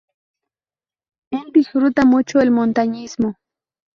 El disfruta mucho el montañismo.